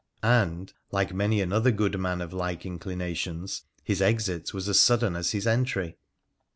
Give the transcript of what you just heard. And, like many another good young man of like inclinations, his exit was as sudden as his entry